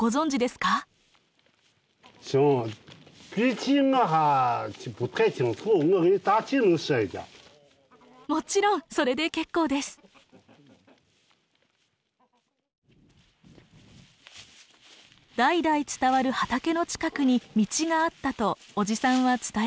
代々伝わる畑の近くに道があったとおじさんは伝え聞いています。